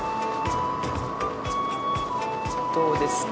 どうですか？